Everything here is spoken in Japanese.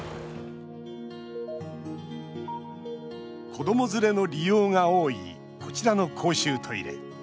子ども連れの利用が多いこちらの公衆トイレ。